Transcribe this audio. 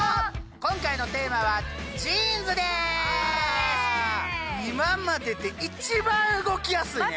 今回のテーマは今までで一番動きやすいね！